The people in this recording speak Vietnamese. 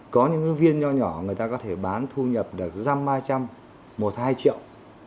có những ứng viên nhỏ nhỏ người ta có thể bán thu nhập được răm hai trăm một hai triệu